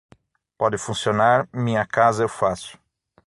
Pode funcionar, minha casa eu faço.